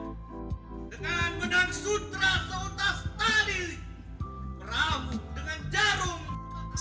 merabuk dengan jarum